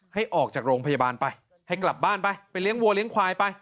ให้ออกจากโรงพยาบาลไปให้กลับบ้านไปไปเลี้ยงวัวเลี้ยงควายไป